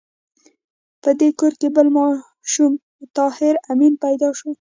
په دې کور کې بل ماشوم طاهر آمین پیدا شو